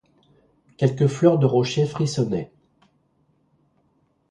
quelques fleurs de rocher frissonnaient.